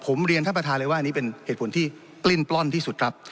ผมเรียนท่านประธานเลยว่าอันนี้เป็นเหตุผลที่กลิ้นปล้นที่สุดครับ